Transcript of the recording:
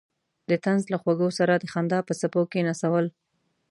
د طنز له خوږو سره د خندا په څپو کې نڅول.